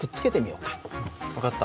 分かった。